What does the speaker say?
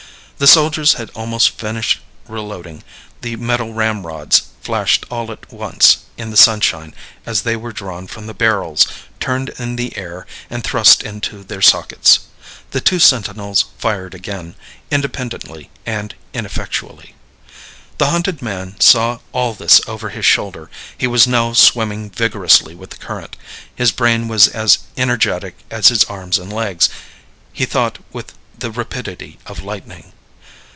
The soldiers had almost finished reloading; the metal ramrods flashed all at once in the sunshine as they were drawn from the barrels, turned in the air, and thrust into their sockets. The two sentinels fired again, independently and ineffectually. The hunted man saw all this over his shoulder; he was now swimming vigorously with the current. His brain was as energetic as his arms and legs; he thought with the rapidity of lightning.